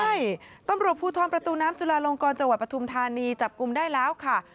ใช่ตำรวจภูทรประตูน้ำจุลาลงกรจังหวัดปทุมธานีจับกลุ่มได้แล้วค่ะ